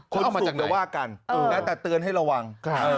คุณสูงแต่ว่ากันแต่เตือนให้ระวัง